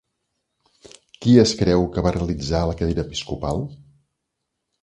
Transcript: Qui es creu que va realitzar la cadira episcopal?